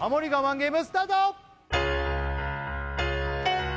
ゲームスタート